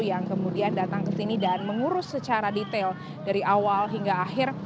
yang kemudian datang ke sini dan mengurus secara detail dari awal hingga akhir